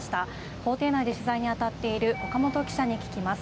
法廷内で取材に当たっている岡本記者に聞きます。